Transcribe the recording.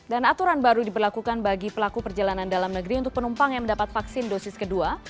dan aturan baru diperlakukan bagi pelaku perjalanan dalam negeri untuk penumpang yang mendapat vaksin dosis kedua